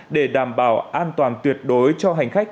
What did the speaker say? để đảm bảo an toàn tuyệt đối cho hành khách